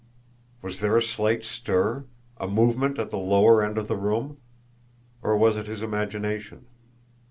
Was there a slight stir, a movement at the lower end of the room or was it his imagination?